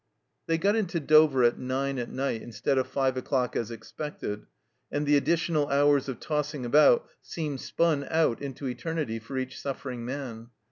They got into Dover at nine at night instead of five o'clock, as expected, and the additional hours of tossing about seemed spun out into eternity for each suffering man.